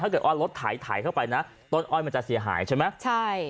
ถ้าเกิดรถไถไถเข้าไปนะต้นอ้อยมันจะเสียหายใช่ไหม